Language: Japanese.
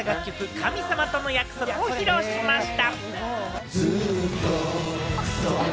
『神様の約束』を披露しました。